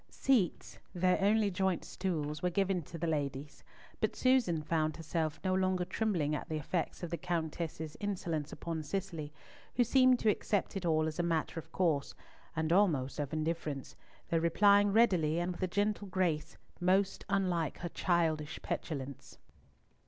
Seats, though only joint stools, were given to the ladies, but Susan found herself no longer trembling at the effects of the Countess's insolence upon Cicely, who seemed to accept it all as a matter of course, and almost of indifference, though replying readily and with a gentle grace, most unlike her childish petulance.